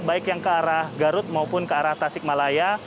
baik yang ke arah garut maupun ke arah tasikmalaya